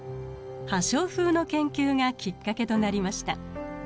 破傷風の研究がきっかけとなりました。